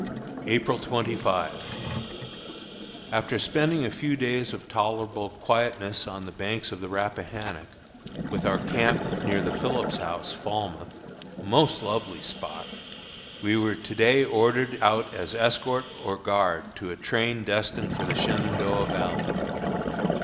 April 25. After spending a few days of tolerable quietness on the banks of the Rappahannock, with our camp near the Phillips House, Falmouth, a most lovely spot, we were to day ordered out as escort or guard to a train destined for the Shenandoah Valley.